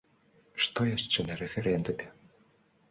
Што яшчэ на рэферэндуме?